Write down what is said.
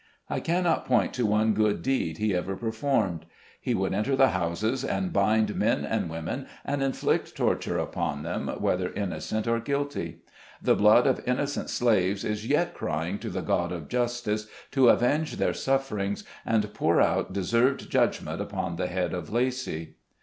I cannot point to one good deed he ever performed. He would enter the houses, and bind men and women, and inflict torture upon them, whether innocent or guilty. The blood of innocent slaves is yet crying to the God of justice to avenge their sufferings, and pour out deserved judgment upon the head of Lacy.